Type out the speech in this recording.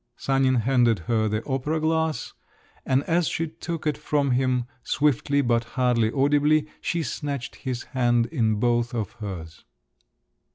Sanin handed her the opera glass, and as she took it from him, swiftly, but hardly audibly, she snatched his hand in both of hers.